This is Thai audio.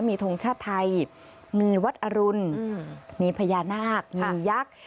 มีทงชาติไทยมีวัดอรุณมีพญานาคมียักษ์